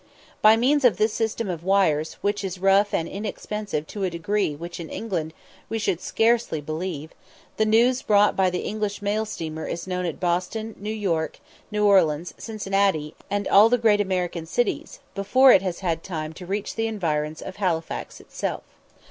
By means of this system of wires, which is rough and inexpensive to a degree which in England we should scarcely believe, the news brought by the English mail steamer is known at Boston, New York, New Orleans, Cincinnati, and all the great American cities, before it has had time to reach the environs of Halifax itself.